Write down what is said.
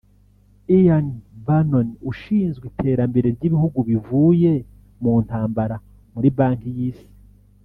Ian Bannon ushinzwe iterambere ry’ibihugu bivuye mu ntambara muri Banki y’Isi